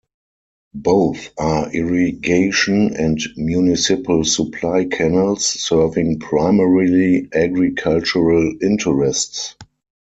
Both are irrigation and municipal supply canals serving primarily agricultural interests.